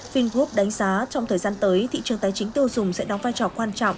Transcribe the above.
vingroup đánh giá trong thời gian tới thị trường tài chính tiêu dùng sẽ đóng vai trò quan trọng